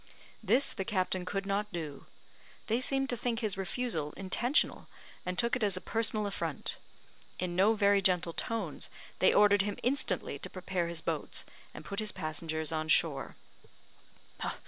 This the captain could not do. They seemed to think his refusal intentional, and took it as a personal affront. In no very gentle tones, they ordered him instantly to prepare his boats, and put his passengers on shore.